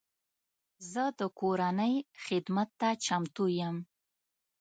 زه د کورنۍ خدمت ته چمتو یم.